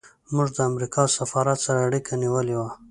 موږ د امریکا سفارت سره اړیکه نیولې وه.